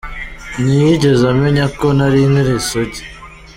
Ntiyigeze amenya ko nari nkiri isugi.